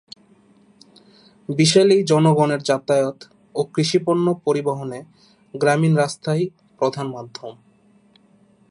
বিশাল এই জনগণের যাতায়াত ও কৃষিপণ্য পরিবহনে গ্রামীণ রাস্তাই প্রধান মাধ্যম।